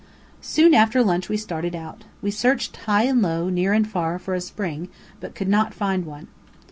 Soon after lunch we started out. We searched high and low, near and far, for a spring, but could not find one.